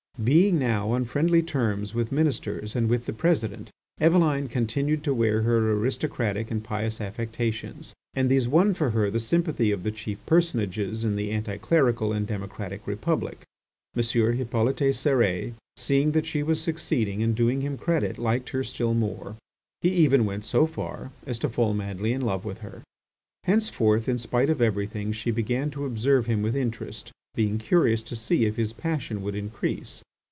Being now on friendly terms with Ministers and with the President, Eveline continued to wear her aristocratic and pious affectations, and these won for her the sympathy of the chief personages in the anti clerical and democratic Republic. M. Hippolyte Cérès, seeing that she was succeeding and doing him credit, liked her still more. He even went so far as to fall madly in love with her. Henceforth, in spite of everything, she began to observe him with interest, being curious to see if his passion would increase.